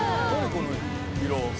この色。